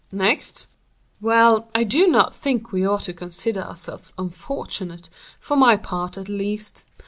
"Next?" "Well, I do not think we ought to consider ourselves unfortunate, for my part, at least.